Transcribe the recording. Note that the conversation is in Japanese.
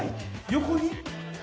横に？